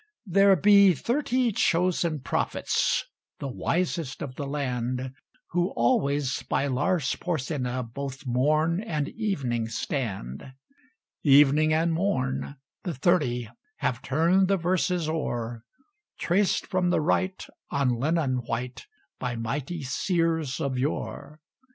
There be thirty chosen prophets, The wisest of the land, Who always by Lars Porsena Both morn and evening stand: Evening and morn the Thirty Have turned the verses o'er, Traced from the right on linen white By mighty Seers of yore.